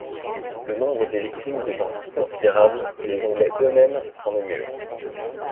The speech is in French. Le nombre des victimes devint si considérable que les Anglais eux-mêmes s'en émurent.